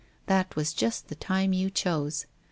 That was just the time you chose.